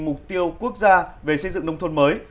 mục tiêu quốc gia về xây dựng nông thôn mới